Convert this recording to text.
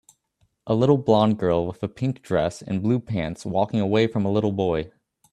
A little blond girl with a pink dress and blue pants walking away from a little boy